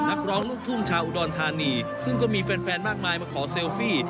นักร้องลูกทุ่งชาวอุดรธานีซึ่งก็มีแฟนมากมายมาขอเซลฟี่